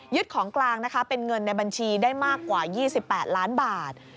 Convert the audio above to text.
ของกลางนะคะเป็นเงินในบัญชีได้มากกว่า๒๘ล้านบาท